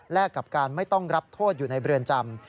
กับการไม่ต้องรับโทษอยู่ในเรือนจำ